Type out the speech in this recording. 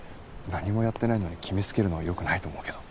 何もやってないのに決めつけるのはよくないと思うけど。